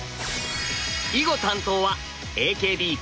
囲碁担当はＡＫＢ４８。